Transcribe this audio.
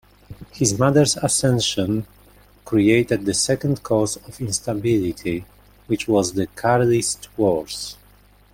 His mother's accession created the second cause of instability, which was the Carlist Wars.